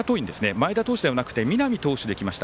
前田投手ではなくて南投手できました。